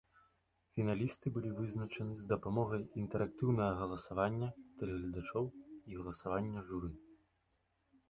Фіналісты былі вызначаны з дапамогай інтэрактыўнага галасавання тэлегледачоў і галасавання журы.